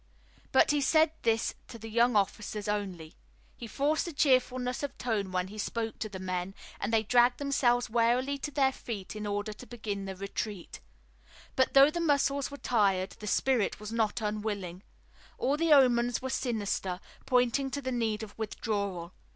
But he said this to the young officers only. He forced a cheerfulness of tone when he spoke to the men, and they dragged themselves wearily to their feet in order to begin the retreat. But though the muscles were tired the spirit was not unwilling. All the omens were sinister, pointing to the need of withdrawal.